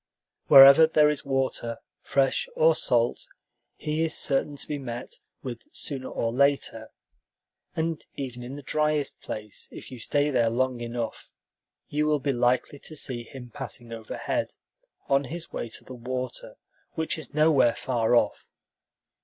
Wherever there is water, fresh or salt, he is certain to be met with sooner or later; and even in the driest place, if you stay there long enough, you will be likely to see him passing overhead, on his way to the water, which is nowhere far off.